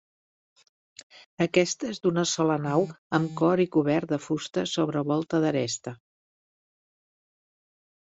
Aquesta és d'una sola nau amb cor i cobert de fusta sobre volta d'aresta.